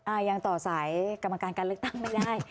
ยังต่อสายกรรมการการเลือกตั้งไม่ได้